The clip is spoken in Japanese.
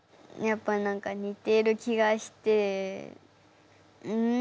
やっぱ何か似てる気がしてうん。